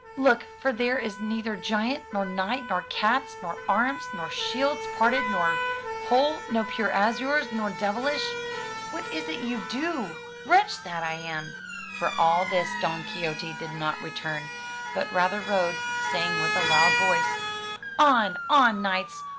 Look; for there is neither giant, nor knight, nor cats, nor arms, nor shields parted nor whole, nor pure azures nor devilish. What is it you do? Wretch that I am! For all this Don Quixote did not return, but rather rode, saying with a loud voice, *'0n, on, knights!